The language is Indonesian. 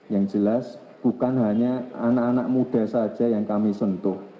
yang jelas bukan hanya anak anak muda saja yang kami sentuh